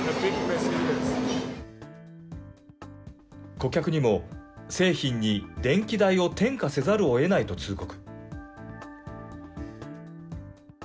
顧客にも製品に電気代を転嫁せざるをえないと通告。